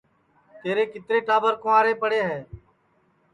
تیرے کِترے ٹاٻر کُنٚورے پڑے ہے